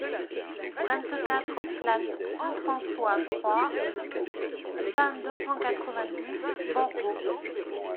vingt-quatre place Saint-François trois, vingt, deux cent quatre-vingt-dix, Borgo